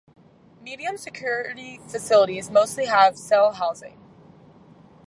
Medium-security facilities mostly have cell housing.